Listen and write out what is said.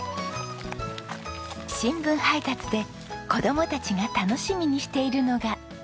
新聞配達で子供たちが楽しみにしているのが。